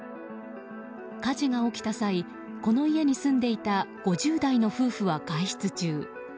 火事が起きた際この家に住んでいた５０代の夫婦は外出中。